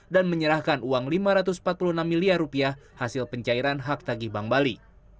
dan menyerahkan uang lima ratus empat puluh enam miliar rupiah hasil pencairan hak tagih bank bali